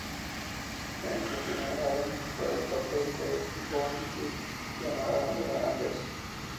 En este filme, Adams hace el papel de la "Bond Girl" llamada Andrea Anders.